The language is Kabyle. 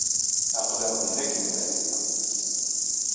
Aql-aɣ din akken ma nella.